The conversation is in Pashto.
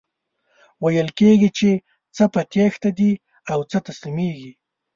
ویل کیږي چی څه په تیښته دي او څه تسلیمیږي.